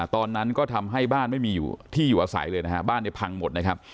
ตอนนั้นก็ทำให้บ้านไม่มีอยู่ที่อยู่อาศัยเลยนะฮะบ้านเนี่ยพังหมดนะครับ